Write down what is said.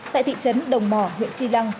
tại thị trấn đồng mỏ huyện chi lăng